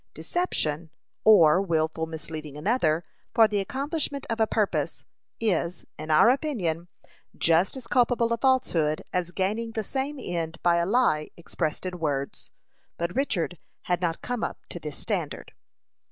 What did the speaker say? Deception, or wilfully misleading another, for the accomplishment of a purpose, is, in our opinion, just as culpable a falsehood as gaining the same end by a lie expressed in words. But Richard had not come up to this standard.